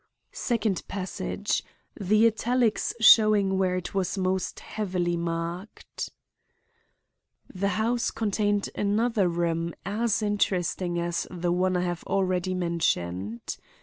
Second passage; the italics showing where it was most heavily marked. "The house contained another room as interesting as the one I have already mentioned.